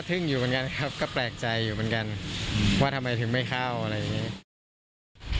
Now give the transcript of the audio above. อยู่เหมือนกันครับก็แปลกใจอยู่เหมือนกันว่าทำไมถึงไม่เข้าอะไรอย่างนี้